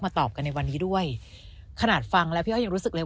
ตอบกันในวันนี้ด้วยขนาดฟังแล้วพี่อ้อยยังรู้สึกเลย